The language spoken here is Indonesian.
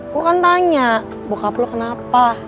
gue kan tanya bokap lo kenapa